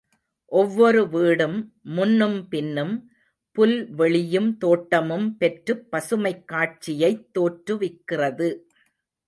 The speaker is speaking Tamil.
ஒவ்வொரு வீடும் முன்னும் பின்னும் புல்வெளியும் தோட்டமும் பெற்றுப் பசுமைக் காட்சியைத் தோற்றுவிக்கிறது.